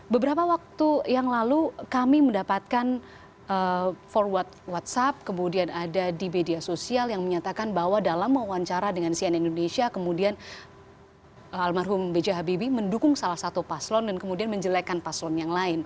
beberapa waktu yang lalu kami mendapatkan forward whatsapp kemudian ada di media sosial yang menyatakan bahwa dalam mewawancara dengan sian indonesia kemudian almarhum b j habibie mendukung salah satu paslon dan kemudian menjelekkan paslon yang lain